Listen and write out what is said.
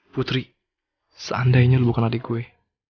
putri seandainya lu bukan adik gue